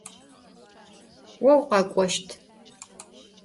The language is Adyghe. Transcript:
Vo vukhek'oşt.